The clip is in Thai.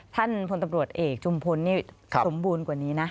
ท่านพลตำรวจเอกจุมพลนี่สมบูรณ์กว่านี้นะ